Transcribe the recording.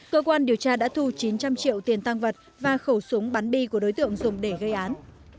cơ quan điều tra đã thu chín trăm linh triệu tiền tăng vật và khẩu súng bắn bi của đối tượng dùng để gây án